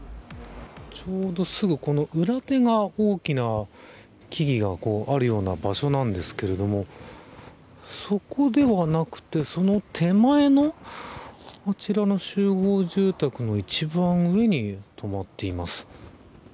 ちょうどすぐこの裏手が大きな木々があるような場所なんですけれどもそこではなくてその手前のあちらの集合住宅の一番上に止まっています。